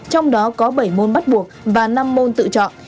trong đó có bảy môn bắt buộc và năm môn tự chọn